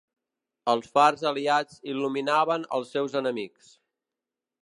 Els fars aliats il·luminaven als seus enemics.